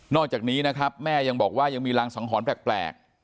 อกจากนี้นะครับแม่ยังบอกว่ายังมีรังสังหรณ์แปลก